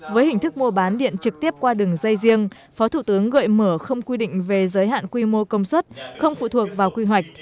với hình thức mua bán điện trực tiếp qua đường dây riêng phó thủ tướng gợi mở không quy định về giới hạn quy mô công suất không phụ thuộc vào quy hoạch